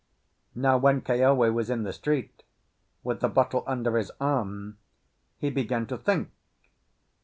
Now, when Keawe was in the street, with the bottle under his arm, he began to think.